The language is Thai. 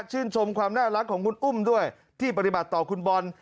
ชื่นชมความน่ารักของคุณอุ้มด้วยที่ปฏิบัติต่อคุณบอล